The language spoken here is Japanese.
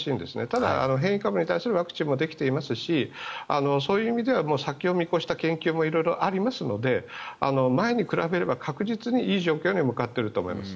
ただ、変異株に対するワクチンもできていますしそういう意味では先を見越した研究も色々ありますので前に比べれば確実にいい状況に向かっていると思います。